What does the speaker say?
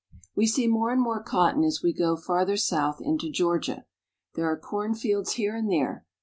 WE see more and more cotton as we go farther south into Georgia. There are cornfields here and there.